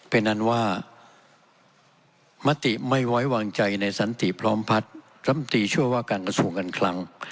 เป็นอันว่ามติไม่ไว้วางใจในสันติพร้อมพัฒน์รำตีช่วยว่าการกระทรวงการคลัง